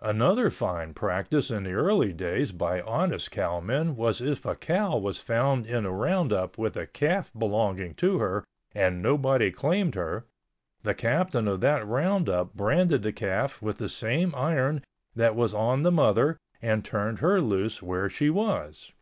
Another fine practice in the early days by honest cowmen was if a cow was found in a roundup with a calf belonging to her and nobody claimed her, the captain of that roundup branded the calf with the same iron that was on the mother and turned her loose where she was.